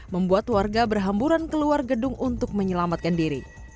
membuat warga berhamburan keluar gedung untuk menyelamatkan diri